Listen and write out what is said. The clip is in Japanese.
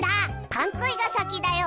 パンくいが先だよ！